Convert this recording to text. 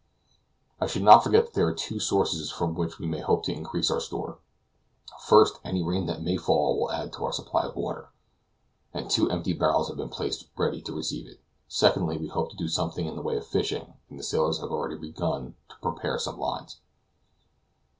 I should not forget that there are two sources from which we may hope to increase our store. First, any rain that may fall will add to our supply of water, and two empty barrels have been placed ready to receive it; secondly, we hope to do something in the way of fishing, and the sailors have already begun to prepare some lines.